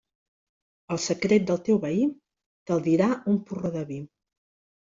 El secret del teu veí te'l dirà un porró de vi.